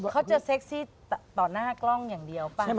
เขาจะเซ็กซี่ต่อหน้ากล้องอย่างเดียวป่ะ